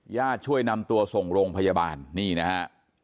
ช่วยนำตัวส่งโรงพยาบาลนี่นะฮะ